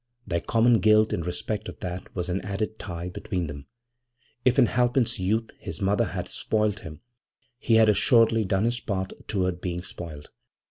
Their common guilt in respect of that was an added tie between them. If in Halpin's youth his mother had 'spoiled' him he had assuredly done his part toward being spoiled.